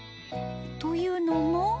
というのも。